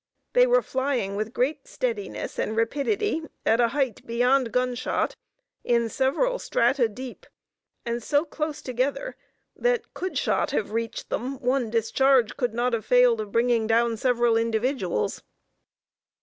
They were flying with great steadiness and rapidity at a height beyond gunshot in several strata deep, and so close together that could shot have reached them one discharge could not have failed of bringing down several individuals.